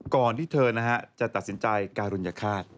ก่อนที่เธอจะตัดสินใจการุญฆาต